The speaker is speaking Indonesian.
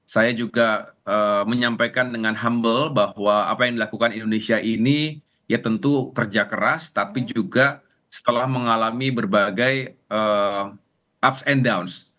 saya juga menyampaikan dengan humble bahwa apa yang dilakukan indonesia ini ya tentu kerja keras tapi juga setelah mengalami berbagai ups and down